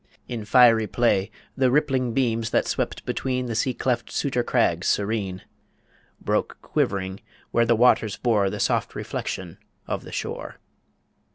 In fiery play The rippling beams that swept between The sea cleft Sutor crags serene, Broke quivering where the waters bore The soft reflection of the shore.